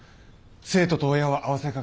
生徒と親は合わせ鏡。